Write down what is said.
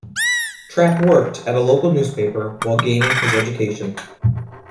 Trapp worked at a local newspaper while gaining his education.